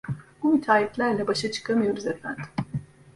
Bu müteahhitlerle başa çıkamıyoruz efendim…